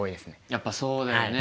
やっぱそうだよね。